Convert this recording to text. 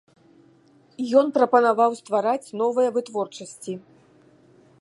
Ён прапанаваў ствараць новыя вытворчасці.